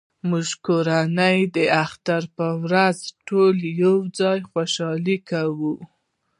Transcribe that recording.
زموږ کورنۍ د اختر په ورځ ټول یو ځای خوشحالي کوي